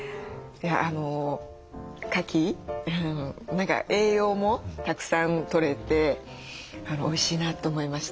かき何か栄養もたくさんとれておいしいなと思いました。